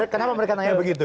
kenapa mereka nanya begitu